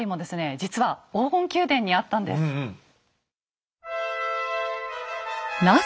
実は黄金宮殿にあったんです。